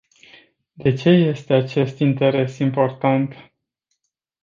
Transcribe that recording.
De ce este acest interes important?